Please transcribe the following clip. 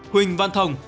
huỳnh văn thồng